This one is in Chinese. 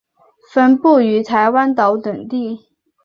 分布于台湾岛等地。